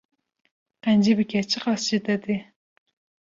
Qencî bike çi qas ji te tê